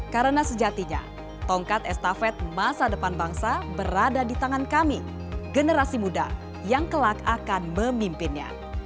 karena sejatinya tongkat estafet masa depan bangsa berada di tangan kami generasi muda yang kelak akan memimpinnya